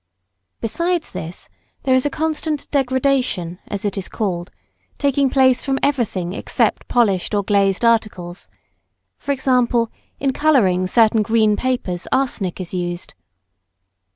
Besides this, there is a constant degradation, as it is called, taking place from everything except polished or glazed articles E.g. in colouring certain green papers arsenic is used.